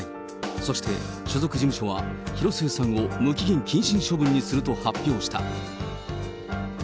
そして、所属事務所は広末さんを無期限謹慎処分にすると発表した。